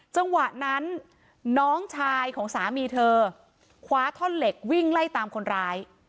จังหวะนั้นน้องชายของสามีเธอคว้าท่อนเหล็กวิ่งไล่ตามคนร้าย